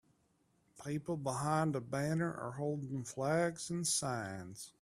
People behind a banner are holding flags and signs.